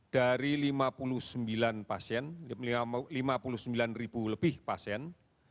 dari lima puluh sembilan ribu lebih pasien